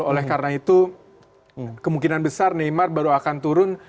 oleh karena itu kemungkinan besar neymar baru akan turun